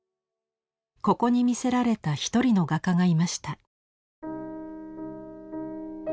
ここに魅せられた一人の画家がいました。